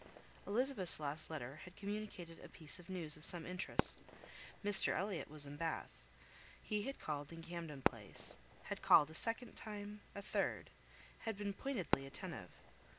Elizabeth's last letter had communicated a piece of news of some interest. Mr Elliot was in Bath. He had called in Camden Place; had called a second time, a third; had been pointedly attentive.